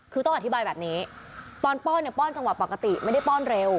คือต้องอธิบายแบบนี้ตอนป้อนเนี่ยป้อนจังหวะปกติไม่ได้ป้อนเร็ว